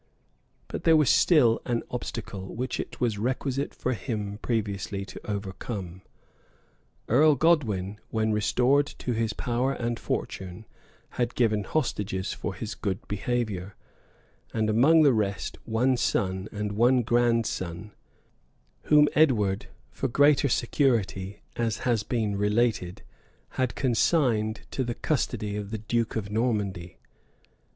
But there was still an obstacle, which it was requisite for him previously to overcome. Earl Godwin, when restored to his power and fortune, had given hostages for his good behavior; and among the rest one son and one grandson, whom Edward, for greater security, as has been related, had consigned to the custody of the duke of Normandy.